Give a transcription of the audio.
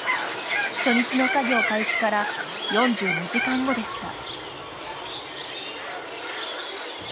初日の作業開始から４２時間後でした。